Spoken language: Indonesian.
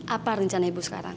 apa rencana ibu sekarang